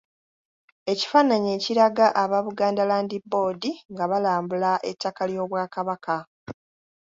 Ekifaananyi ekiraga aba Buganda Land Board nga balambula ettaka ly'Obwakabaka.